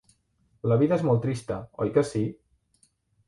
La vida és molt trista, oi que sí?